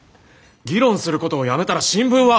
議論することをやめたら新聞は。